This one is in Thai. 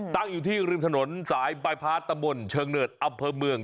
ตั้งอยู่ที่ริมถนนสายบายพาร์ทตะบนเชิงเนิดอำเภอเมือง